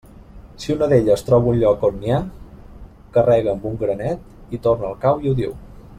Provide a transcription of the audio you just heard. Si una d'elles troba un lloc on n'hi ha, carrega amb un granet i torna al cau i ho diu.